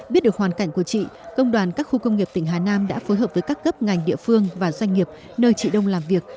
biết được hoàn cảnh của chị công đoàn các khu công nghiệp tỉnh hà nam đã phối hợp với các cấp ngành địa phương và doanh nghiệp nơi chị đông làm việc